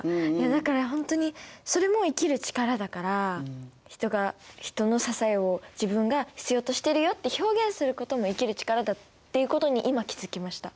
だからほんとにそれも生きる力だから人が人の支えを自分が必要としてるよって表現することも生きる力だっていうことに今気付きました。